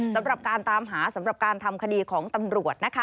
สำหรับการตามหาสำหรับการทำคดีของตำรวจนะคะ